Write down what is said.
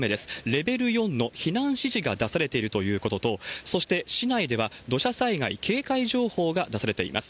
レベル４の避難指示が出されているということと、そして市内では、土砂災害警戒情報が出されています。